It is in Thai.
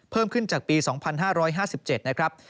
เพิ่มขึ้นจากปี๒๕๕๗นะครับ